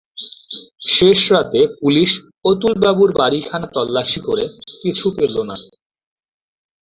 শেষ রাত্রে পুলিস অতুল বাবুর বাড়ি খানা তল্লাশি করে কিছু পেল না।